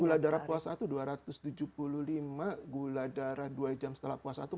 gula darah puasa itu dua ratus tujuh puluh lima gula darah dua jam setelah puasa itu